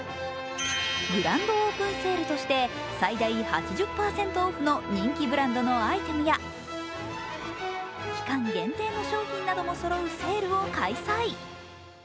グランドオープンセールとして最大８０％オフの人気ブランドのアイテムや期間限定の商品などもそろうセールを開催。